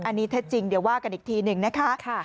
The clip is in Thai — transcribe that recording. อันนี้เท็จจริงเดี๋ยวว่ากันอีกทีหนึ่งนะคะ